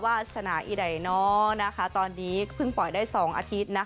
พลัทธนาอีไหนนอล์ตอนนี้เพิ่งปล่อยได้๒อาทิตย์